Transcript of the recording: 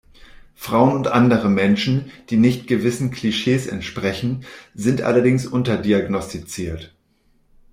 Frauen und andere Menschen, die nicht gewissen Klischees entsprechen, sind allerdings unterdiagnostiziert.